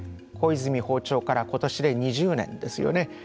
小泉訪朝からことしで２０年ですよね。